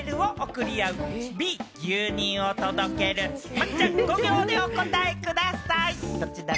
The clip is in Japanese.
麻貴ちゃん、５秒でお答えください！